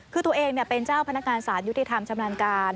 คือตัวเองเป็นเจ้าพนักงานสารยุติธรรมชำนาญการ